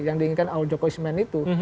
yang diinginkan al jokowismen itu